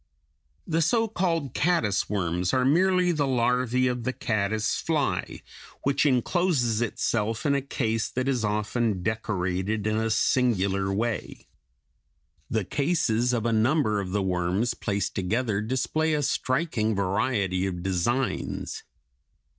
The so called caddis worms (Fig. 191) are merely the larvæ of the caddis fly which incloses itself in a case that is often decorated in a singular way. The cases of a number of the worms placed together display a striking variety of designs.